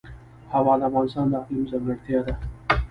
هوا د افغانستان د اقلیم ځانګړتیا ده.